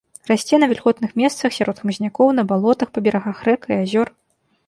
Расце на вільготных месцах, сярод хмызнякоў, на балотах, па берагах рэк і азёр.